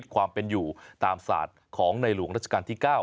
ตามแนวทางศาสตร์พระราชาของในหลวงราชการที่๙